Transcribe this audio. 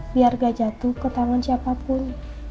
biar gak jatuh ke tangan siapapun